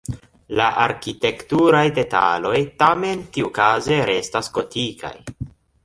La arkitekturaj detaloj tamen tiukaze restas gotikaj.